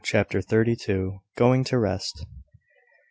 CHAPTER THIRTY TWO. GOING TO REST.